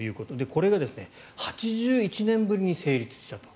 これが８１年ぶりに成立したと。